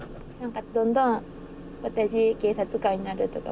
どんどん「私警察官になる」とか